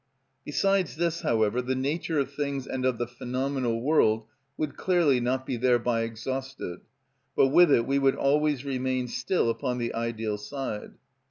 Besides this, however, the nature of things and of the phenomenal world would clearly not be thereby exhausted; but with it we would always remain still upon the ideal side.